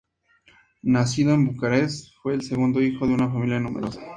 Nacido en Bucarest, fue el segundo hijo de una familia numerosa.